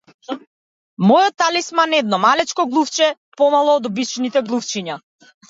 Мојот талисман е едно малечко глувче, помало од обичните глувчиња.